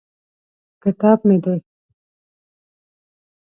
کتاب مې دی.